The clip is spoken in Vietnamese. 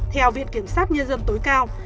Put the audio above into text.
theo viện kiểm sát nhân dân tối cao